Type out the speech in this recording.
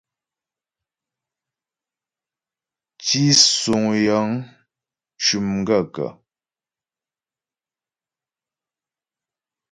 Tísuŋ yəŋ cʉ́ m gaə̂kə̀ ?